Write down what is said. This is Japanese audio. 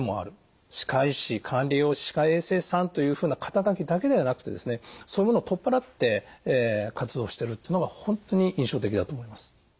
歯科医師管理栄養士歯科衛生士さんというふうな肩書きだけではなくてですねそういうものを取っ払って活動してるっていうのが本当に印象的だと思います。